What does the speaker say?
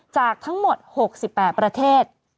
จากทั้งหมด๖๘ประเทศ